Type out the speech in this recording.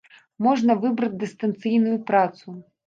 Можна выбраць дыстанцыйную працу.